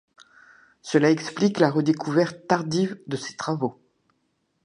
Cela explique la redécouverte tardive de ses travaux.